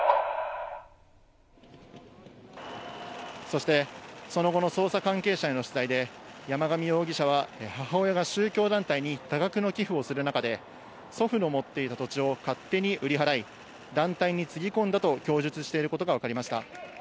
そして、その後の捜査関係者への取材で、山上容疑者は、母親が宗教団体に多額の寄付をする中で、祖父の持っていた土地を勝手に売り払い、団体につぎ込んだと供述していることが分かりました。